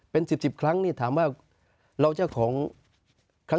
เป็นสิบครั้ง